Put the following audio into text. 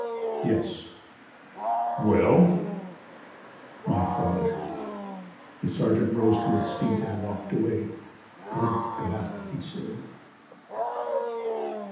"Yes." "Well?" "My father." The sergeant rose to his feet and walked away. "Good God!" he said.